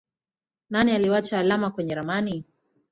Nani aliwacha alama kwenye ramani.